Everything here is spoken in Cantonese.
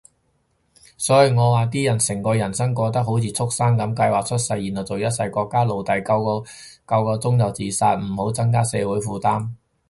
所以我話啲人成個人生過得好似畜牲噉，計劃出世，然後做一世國家奴隸，夠夠鐘就自殺，唔好增加社會負擔